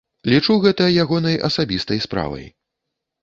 Лічу, гэта ягонай асабістай справай.